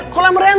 kau mau ke sini